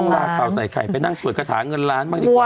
ต้องลาก่าวใส่ใครไปนั่งสวดกระถาเงินล้านมากดีกว่า